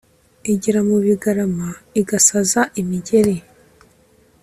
igera mu bigarama, igasaza imigeri